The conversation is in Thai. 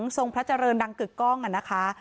พระราชินีทรงพระเจริญดังกึกก้องนะคะ